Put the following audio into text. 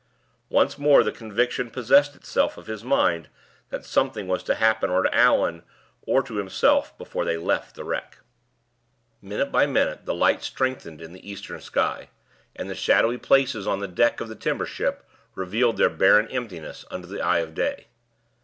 Once more the conviction possessed itself of his mind that something was to happen to Allan or to himself before they left the wreck. Minute by minute the light strengthened in the eastern sky; and the shadowy places on the deck of the timber ship revealed their barren emptiness under the eye of day.